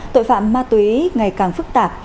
tội phạm ma túy ngày càng phức tạp